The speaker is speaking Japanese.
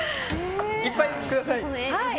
いっぱいください！